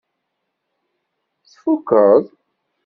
Tfukeḍ?